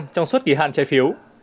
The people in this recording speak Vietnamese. trong suốt kỳ hạn trái phiếu